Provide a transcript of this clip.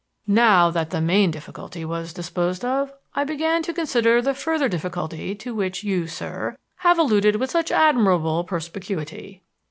"Now that the main difficulty was disposed of, I began to consider the further difficulty to which you, sir, have alluded with such admirable perspicuity.